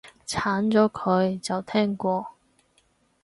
鏟咗佢，就聽過